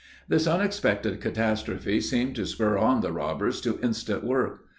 This unexpected catastrophe seemed to spur on the robbers to instant work.